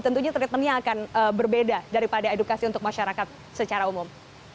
tentunya treatmentnya akan berbeda daripada edukasi untuk masyarakat secara umum